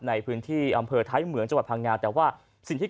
ในพื้นที่อำเภอท้ายเหมืองจังหวัดพังงาแต่ว่าสิ่งที่